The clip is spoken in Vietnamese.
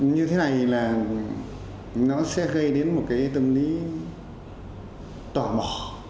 như thế này là nó sẽ gây đến một cái tâm lý tỏa bỏ